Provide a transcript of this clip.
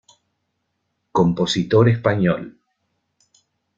Compositor español.